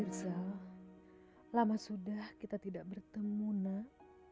mirza lama sudah kita tidak bertemu nak